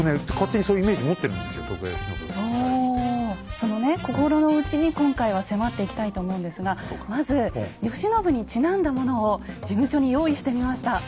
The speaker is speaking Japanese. そのね心の内に今回は迫っていきたいと思うんですがまず慶喜にちなんだものを事務所に用意してみました。